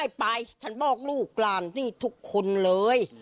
ไปฉันบอกลูกหลานที่ทุกคนเลย